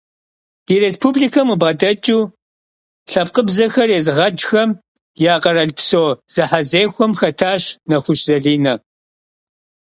Di rêspublikem khıbğedeç'ıu lhepkhıbzexer yêzığecxem ya kheralpso zehezexuem xetaş Nexuş Zaline.